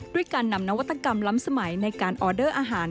ด้วยการนำนวัตกรรมล้ำสมัยในการออเดอร์อาหาร